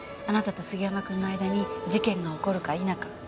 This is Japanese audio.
あなたと杉山君の間に事件が起こるか否か。